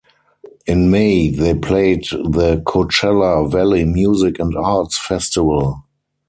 In May, they played the Coachella Valley Music and Arts Festival.